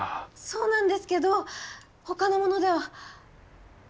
そうなんですけどほかのものでは。